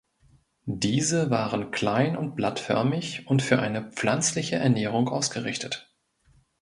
Diese waren klein und blattförmig und für eine pflanzliche Ernährung ausgerichtet.